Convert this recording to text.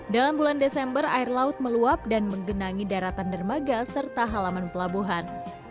dalam bulan desember air laut meluap dan menggenangi daratan dermaga serta halaman pelabuhan